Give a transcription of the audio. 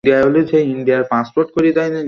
মাথা খারাপ করে দিছে।